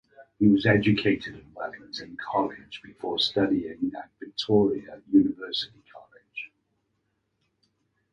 He was educated at Wellington College before studying at Victoria University College.